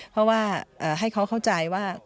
เพราะว่าให้เขาเข้าใจว่า